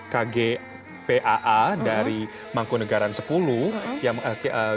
kagpaa dari mangkunegaraan sepuluh yang karakter